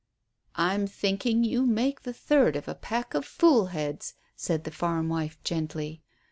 "I'm thinking you make the third of a pack of fool heads," said the farm wife gently.